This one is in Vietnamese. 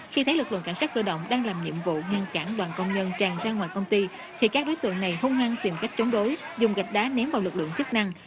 khi thấy lực lượng cảnh sát cơ động đang làm nhiệm vụ ngăn cản đoàn công nhân tràn ra ngoài công ty thì các đối tượng này hông ngăn tìm cách chống đối dùng gạch đá ném vào lực lượng chức năng